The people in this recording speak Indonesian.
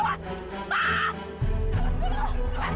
bentar dulu bang